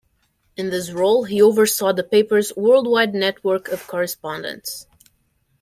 In this role he oversaw the paper's worldwide network of correspondents.